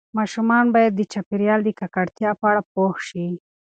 ماشومان باید د چاپیریال د ککړتیا په اړه پوه شي.